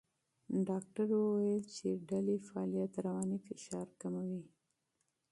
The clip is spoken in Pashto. ډاکټره وویل چې د ډلې فعالیت رواني فشار کموي.